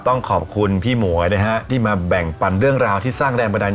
ต้องขอบคุณพี่หมวยนะฮะที่มาแบ่งปันเรื่องราวที่สร้างแรงบันดาล